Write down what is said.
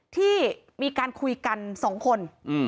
ที่มีการคุยกัน๒คน